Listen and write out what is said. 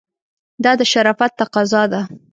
دا د شرافت تقاضا ده.